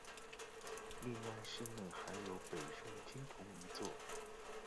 另外寺内还有北宋经幢一座。